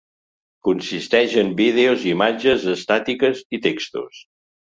Consisteix en vídeos, imatges estàtiques i textos.